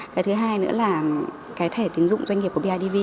cái thứ hai nữa là cái thẻ tín dụng doanh nghiệp của bidv